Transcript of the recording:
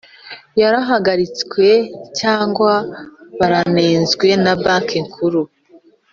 yarahagaritswe cyangwa baranenzwe na Banki Nkuru